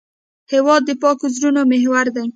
هېواد د پاکو زړونو محور دی.